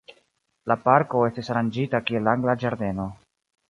La parko estis aranĝita kiel angla ĝardeno.